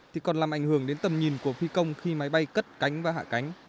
thì còn làm ảnh hưởng đến tầm nhìn của phi công khi máy bay cất cánh và hạ cánh